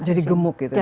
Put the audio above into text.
jadi gemuk gitu ya besar